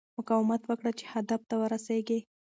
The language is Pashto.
مقاومت وکړه چې هدف ته ورسېږې.